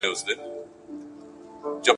له یوه اړخه پر بل را اوښتله ..